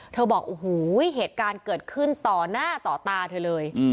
บอกโอ้โหเหตุการณ์เกิดขึ้นต่อหน้าต่อตาเธอเลย